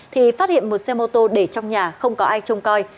thì phát hiện một xe mô tô để trong nhà không có ai trông coi